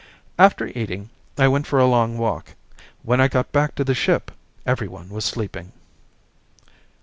After eating, I went for a long walk. When I got back to the ship, everyone was sleeping.